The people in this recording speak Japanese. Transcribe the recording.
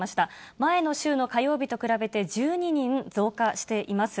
前の週の火曜日と比べて、１２人増加しています。